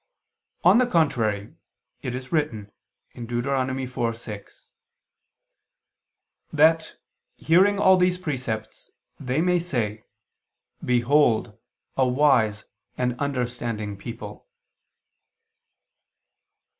On the contrary, It is written (Deut. 4:6): "That, hearing all these precepts, they may say, Behold a wise and understanding people."